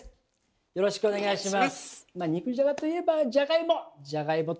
よろしくお願いします。